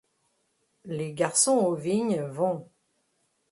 Les garçons aux vignes vont ;